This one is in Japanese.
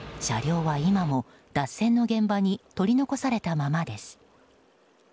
車両は今も脱線の現場に取り残されたままです。